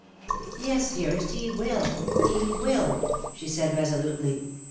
^^ Yes, dearest, he will — lie will/^ she said, reso lutely.